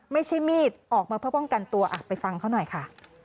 ไม่ใช่มีดออกมาเพื่อป้องกันตัวไปฟังเขาหน่อยค่ะ